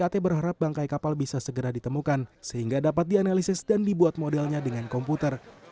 kt berharap bangkai kapal bisa segera ditemukan sehingga dapat dianalisis dan dibuat modelnya dengan komputer